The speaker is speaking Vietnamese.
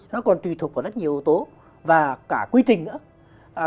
nó còn tùy thuộc vào rất nhiều ưu tố và cả quy trình nữa